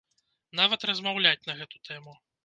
Нават размаўляць на гэту тэму.